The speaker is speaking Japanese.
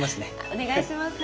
お願いします。